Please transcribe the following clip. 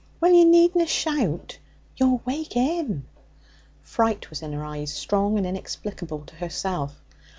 'Well, you needna shout. You'll wake 'im.' Fright was in her eyes, strong and inexplicable to herself.